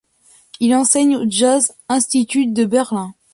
Il enseigne au Jazz Institute de Berlin.